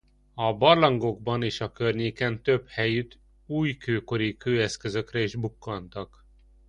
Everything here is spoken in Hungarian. A barlangokban és a környéken több helyütt újkőkori kőeszközökre is bukkantak.